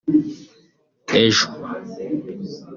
Ejo